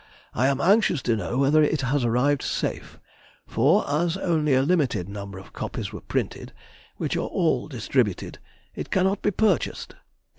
I am anxious to know whether it has arrived safe, for, as only a limited number of copies were printed (which are all distributed) it cannot be purchased.